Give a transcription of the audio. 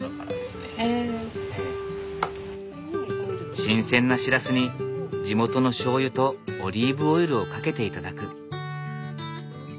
新鮮なシラスに地元のしょうゆとオリーブオイルをかけて頂く。